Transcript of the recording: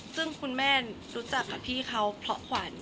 ซึ่งคุณแม่รู้จักกับพี่เขาเพราะขวัญ